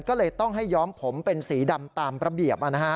ก็เลยต้องให้ย้อมผมเป็นสีดำตามระเบียบ